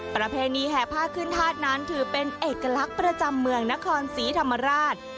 ประเพณีแห่ผ้าขึ้นธาตุนั้นถือเป็นเอกลักษณ์ประจำเมืองนครศรีธรรมราช